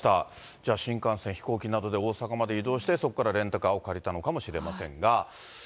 じゃあ、新幹線、飛行機などで大阪まで移動して、そこからレンタカーを借りたのかもしれませんが。